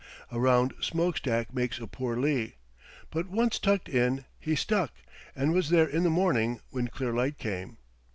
A round smoke stack makes a poor lee, but once tucked in he stuck, and was there in the morning when clear light came.